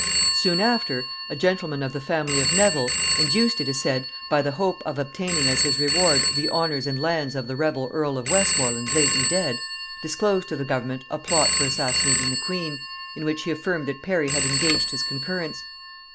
Soon after a gentleman of the family of Nevil, induced it is said by the hope of obtaining as his reward the honors and lands of the rebel earl of Westmorland lately dead, disclosed to the government a plot for assassinating the queen, in which he affirmed that Parry had engaged his concurrence.